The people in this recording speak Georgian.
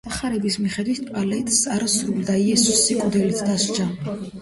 სახარების მიხედვით, პილატეს არ სურდა იესოს სიკვდილით დასჯა.